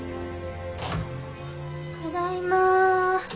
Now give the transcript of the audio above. ただいま。